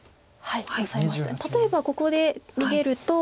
例えばここで逃げると。